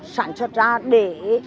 sản xuất ra để